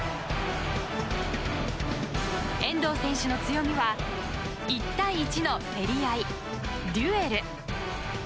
遠藤選手の強みは１対１の競り合い、デュエル。